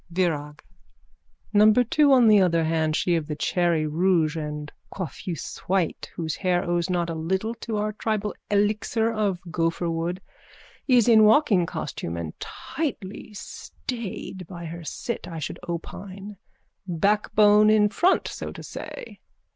VIRAG: Number two on the other hand, she of the cherry rouge and coiffeuse white, whose hair owes not a little to our tribal elixir of gopherwood, is in walking costume and tightly staysed by her sit, I should opine. Backbone in front, so to say.